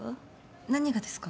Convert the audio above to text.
何がですか？